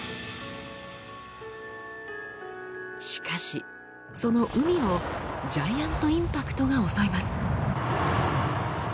しかしその海をジャイアント・インパクトが襲います。